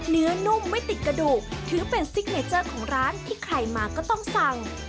นุ่มไม่ติดกระดูกถือเป็นซิกเนเจอร์ของร้านที่ใครมาก็ต้องสั่ง